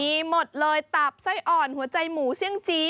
มีหมดเลยตับไส้อ่อนหัวใจหมูเสี่ยงจี้